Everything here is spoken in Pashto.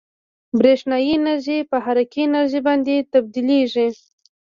برېښنايي انرژي په حرکي انرژي باندې تبدیلیږي.